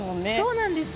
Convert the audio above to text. そうなんです。